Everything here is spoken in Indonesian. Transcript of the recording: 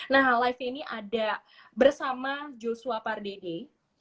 nah live ini ada bersama joshua pandemi